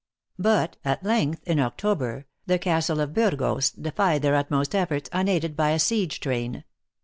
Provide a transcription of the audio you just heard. But, at length, in Oc tober, the castle of Burgos defied their utmost efforts, unaided by a siege train.